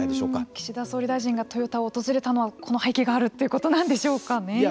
岸田総理大臣がトヨタを訪れたのはこの背景があるということなんでしょうかね。